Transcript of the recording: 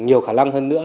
nhiều khả năng hơn nữa